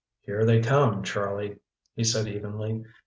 "Here they come, Charlie!" he said evenly.